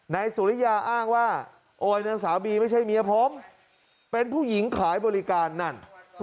นายสุริยาอ้างว่าโอยนั้นสามีไม่ใช่เมียผมเป็นผู้หญิงขายบริการนั่น